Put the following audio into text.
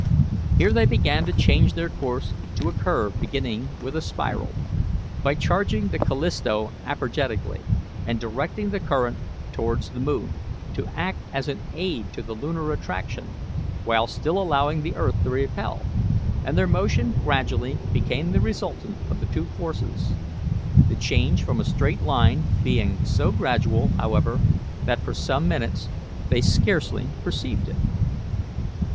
Here they began to change their course to a curve beginning with a spiral, by charging the Callisto apergetically, and directing the current towards the moon, to act as an aid to the lunar attraction, while still allowing the earth to repel, and their motion gradually became the resultant of the two forces, the change from a straight line being so gradual, however, that for some minutes they scarcely perceived it.